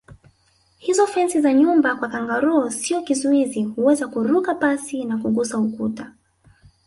Hizo fensi za nyumba kwa kangaroo sio kizuizi huweza kuruka pasi na kugusa ukuta